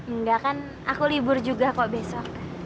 enggak kan aku libur juga kok besok